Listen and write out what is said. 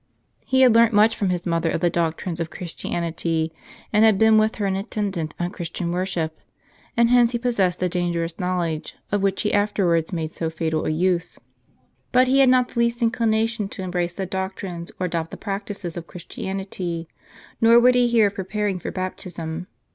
He had learnt much from his mother of the doctrines of Christianity, and had been with her an attendant on Christian worship ; and hence he possessed a dangerous knowledge, of which he afterwards made so fatal a use. But he had not the least inclination to embrace the doc trines, or adopt the practices of Christianity ; nor would he hear of preparing for baptism.